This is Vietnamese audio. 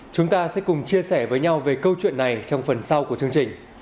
chúng ta sẽ cùng chia sẻ với nhau về câu chuyện này trong phần sau của chương trình